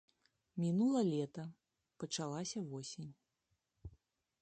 Мінула лета, пачалася восень.